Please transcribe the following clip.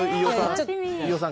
飯尾さん